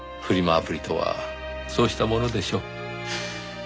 アプリとはそうしたものでしょう。